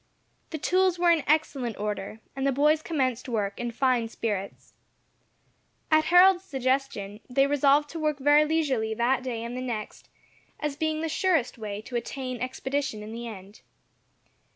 The tools were in excellent order, and the boys commenced work in fine spirits. At Harold's suggestion they resolved to work very leisurely that day and the next, as being the surest way to attain expedition in the end.